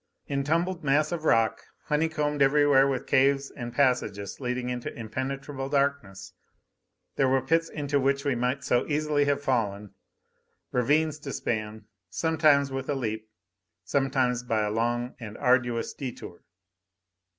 In tumbled mass of rock, honeycombed everywhere with caves and passages leading into impenetrable darkness, there were pits into which we might so easily have fallen; ravines to span, sometimes with a leap, sometimes by a long and arduous detour.